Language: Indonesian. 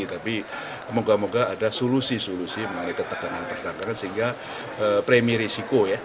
tapi moga moga ada solusi solusi mengenai ketekanan pertekanan sehingga premi risiko ya